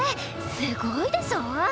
すごいでしょ！